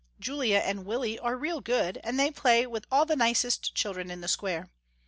Julia and Willie are real good, and they play with all the nicest children in the square.